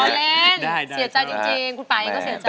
ร้อนแรงเสียใจจริงคุณป่ายังก็เสียใจนะครับ